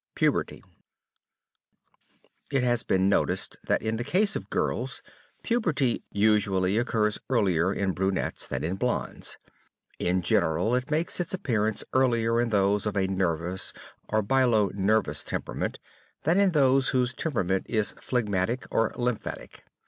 PUBERTY It has been noticed that in the case of girls, puberty usually occurs earlier in brunettes than in blondes. In general, it makes its appearance earlier in those of a nervous or bilio nervous temperament than in those whose temperament is phlegmatic or lymphatic.